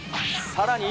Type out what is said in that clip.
さらに。